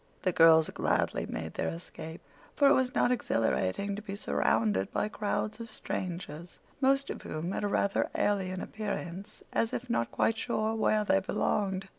The girls gladly made their escape, for it was not exhilarating to be surrounded by crowds of strangers, most of whom had a rather alien appearance, as if not quite sure where they belonged.